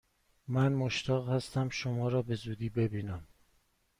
من مشتاق هستم شما را به زودی ببینم!